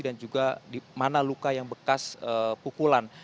dan juga mana luka yang bekas pukulan